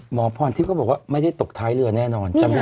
หมอพรทิพย์ก็บอกว่าไม่ได้ตกท้ายเรือแน่นอนจำได้